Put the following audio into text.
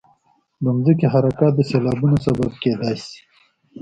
د ځمکې حرکات د سیلابونو سبب کېدای شي.